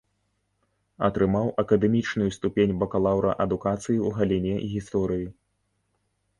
Атрымаў акадэмічную ступень бакалаўра адукацыі ў галіне гісторыі.